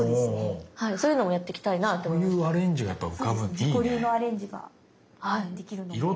自己流のアレンジができるのも面白い。